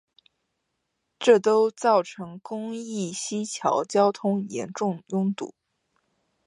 这都造成公益西桥交通严重拥堵。